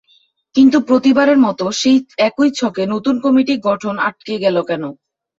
কিন্তু প্রতিবারের মতো সেই একই ছকে নতুন কমিটি গঠন আটকে গেল কেন?